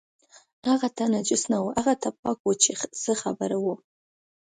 هغه ته نجس نه و، هغه ته پاک و چې څه خبره وه.